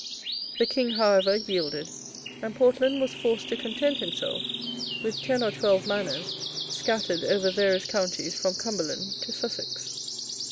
The King, however, yielded; and Portland was forced to content himself with ten or twelve manors scattered over various counties from Cumberland to Sussex.